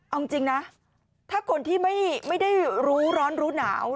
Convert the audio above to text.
เอาจริงนะถ้าคนที่ไม่ได้รู้ร้อนรู้หนาว